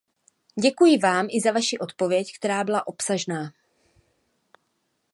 Děkuji vám i za vaši odpověď, která byla obsažná.